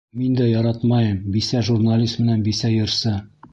Мин дә яратмайым бисә журналист менән бисә йырсы...